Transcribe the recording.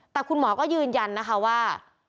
แต่คุณหมอก็ยืนยันนะคะว่า